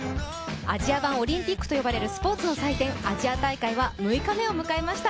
アジア版オリンピックスポーツの祭典といわれるアジア大会は６日目を迎えました。